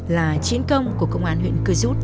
là chiến công của công an huyện cư dút